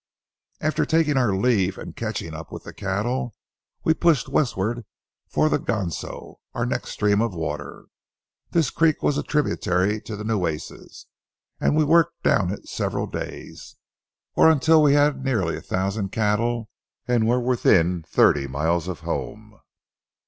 After taking our leave and catching up with the cattle, we pushed westward for the Ganso, our next stream of water. This creek was a tributary to the Nueces, and we worked down it several days, or until we had nearly a thousand cattle and were within thirty miles of home.